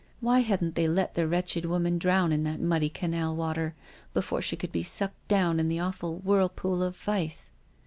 " Why hadn't they let the wretched woman drown in that muddy canal water, before she could be sucked down in the awful whirlpool of vice.